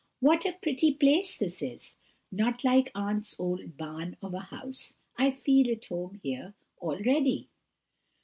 What a pretty place this is! not like aunt's old barn of a house. I feel at home here already."